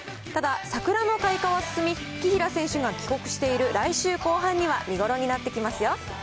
ただ、桜の開花は進み、紀平選手が帰国している来週後半には、見頃になってきますよ。